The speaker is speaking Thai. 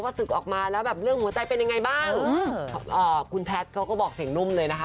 ศึกออกมาแล้วแบบเรื่องหัวใจเป็นยังไงบ้างคุณแพทย์เขาก็บอกเสียงนุ่มเลยนะคะ